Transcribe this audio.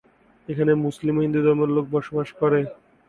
এখানে মুসলিম ও হিন্দু ধর্মের লোক বসবাস করে।